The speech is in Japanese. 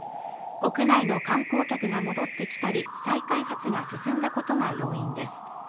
国内の観光客が戻ってきたり再開発が進んだことが要因です